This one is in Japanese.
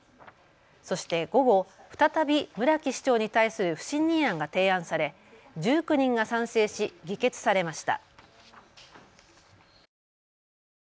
そして午後、再び村木市長に対する不信任案が提案され１９人が賛成し議決されました。